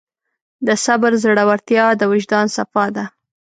د صبر زړورتیا د وجدان صفا ده.